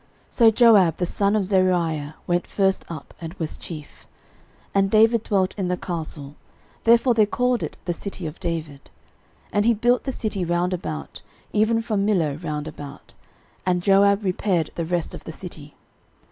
So Joab the son of Zeruiah went first up, and was chief. 13:011:007 And David dwelt in the castle; therefore they called it the city of David. 13:011:008 And he built the city round about, even from Millo round about: and Joab repaired the rest of the city.